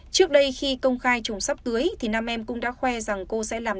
trước đây khi công khai chồng sắp cưới nam em cũng đã khoe rằng cô sẽ đảm bảo